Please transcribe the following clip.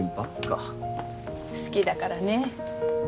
好きだからねぇ。